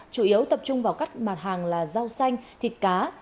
chủ yếu tập trung vào các mặt hàng là rau xanh thịt cá